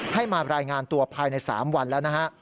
ให้มารายงานตัวภายใน๓วันแล้วนะฮะ